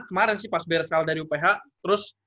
kemarin sih pas beresal dari uph terus